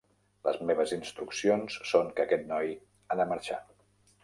Les meves instruccions són que aquest noi ha de marxar.